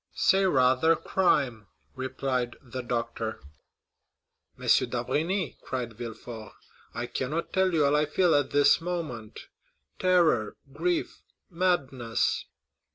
"Say, rather, crime!" replied the doctor. "M. d'Avrigny," cried Villefort, "I cannot tell you all I feel at this moment,—terror, grief, madness."